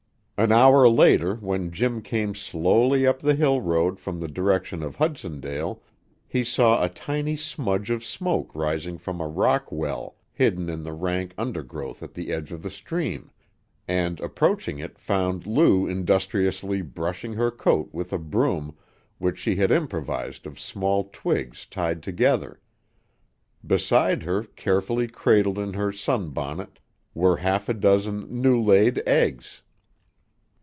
An hour later when Jim came slowly up the hill road from the direction of Hudsondale, he saw a tiny smudge of smoke rising from a rock well hidden in the rank undergrowth at the edge of the stream, and approaching it found Lou industriously brushing her coat with a broom which she had improvised of small twigs tied together. Beside her, carefully cradled in her sunbonnet, were half a dozen new laid eggs.